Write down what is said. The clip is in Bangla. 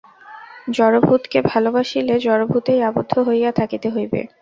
জড়ভূতকে ভালবাসিলে জড়ভূতেই আবদ্ধ হইয়া থাকিতে হইবে।